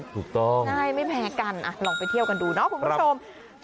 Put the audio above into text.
ถูกต้องง่ายไม่แพ้กันลองไปเที่ยวกันดูเนาะคุณผู้ชม